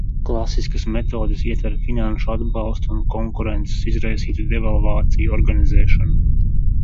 Klasiskas metodes ietver finanšu atbalstu un konkurences izraisītu devalvāciju organizēšanu.